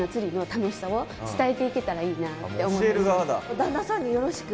旦那さんによろしく。